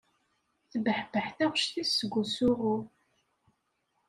Tebbeḥbeḥ taɣect-is seg usuɣu.